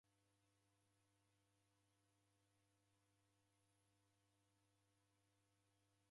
Ikwau kwalosero kihi aboo?